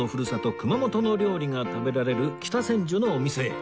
熊本の料理が食べられる北千住のお店へ